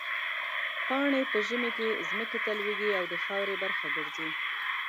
پاڼې په ژمي کې ځمکې ته لوېږي او د خاورې برخه ګرځي.